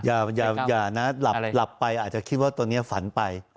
อย่านะหลับไปอาจจะคิดว่าตอนนี้ฝันไป